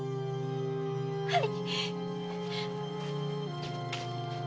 はい。